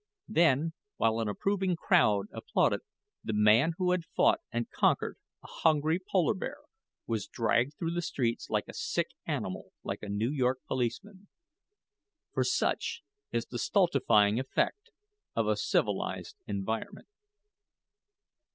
Then, while an approving crowd applauded, the man who had fought and conquered a hungry polar bear was dragged through the streets like a sick animal by a New York policeman. For such is the stultifying effect of a civilized environment.